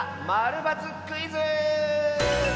○×クイズ」！